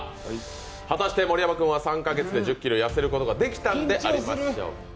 果たして盛山君は３カ月で１０ｋｇ痩せることができたんでしょうか。